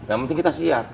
yang penting kita siap